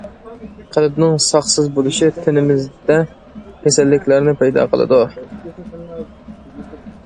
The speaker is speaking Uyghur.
قەلبنىڭ ساقسىز بولۇشى تېنىمىزدە كېسەللىكلەرنى پەيدا قىلىدۇ.